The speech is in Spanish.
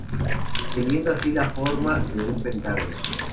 Teniendo así la forma de un pentágono.